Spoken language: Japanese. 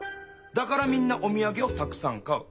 だからみんなおみやげをたくさん買う。